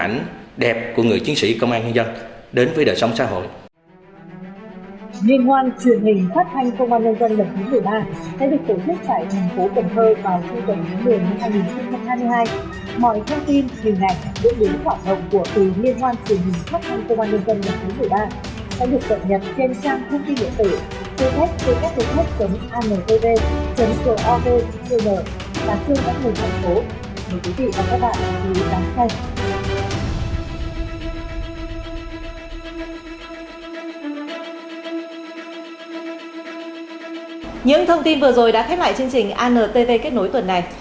những thông tin vừa rồi đã khép lại chương trình antv kết nối tuần này